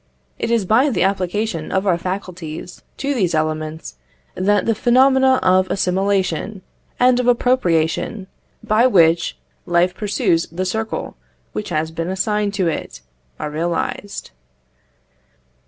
It is by the application of our faculties to these elements, that the phenomena of assimilation and of appropriation, by which life pursues the circle which has been assigned to it, are realized.